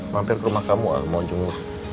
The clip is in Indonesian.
mampir ke rumah kamu al mau jenguk